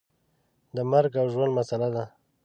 د مرګ او ژوند مسله ده.